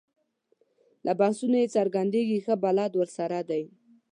له بحثونو یې څرګندېږي ښه بلد ورسره دی.